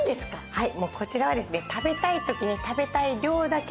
はい。